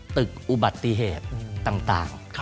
ตึกอุบัติเหตุต่าง